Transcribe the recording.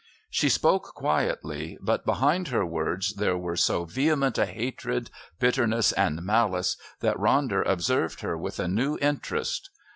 She spoke quietly, but behind her words there were so vehement a hatred, bitterness and malice that Ronder observed her with a new interest.